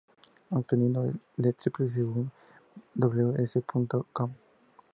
Obtenido de www.wsj.com.